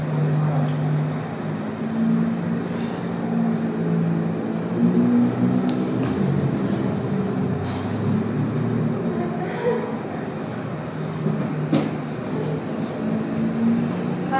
ค่อยนั่งนะคะค่อยปล่อยนะคะ